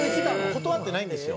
断ってないんですよ。